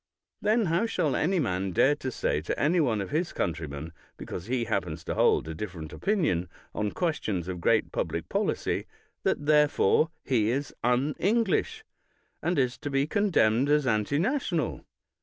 Then how shall any man dare to say to any one of his country men, because he happens to hold a different opinion on questions of great public policy, that therefore he is unEnglish, and is to be condemned as antinational?